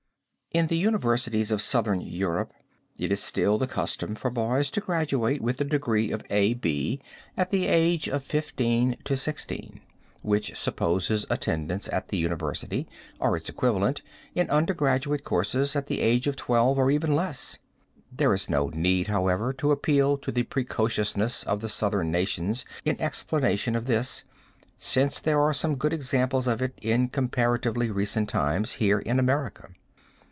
In the universities of Southern Europe it is still the custom for boys to graduate with the degree of A. B. at the age of 15 to 16, which supposes attendance at the university, or its equivalent in under graduate courses, at the age of 12 or even less. There is no need, however, to appeal to the precociousness of the southern nations in explanation of this, since there are some good examples of it in comparatively recent times here in America.